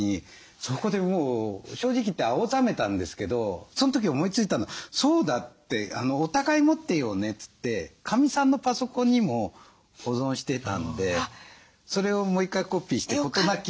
そこでもう正直言って青ざめたんですけどその時思いついたのは「そうだ。お互い持ってようね」ってかみさんのパソコンにも保存していたんでそれをもう１回コピーして事なきを得たんです。